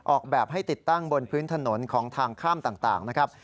ออกแบบให้ติดตั้งบนพื้นถนนของทางข้ามต่างนะครับ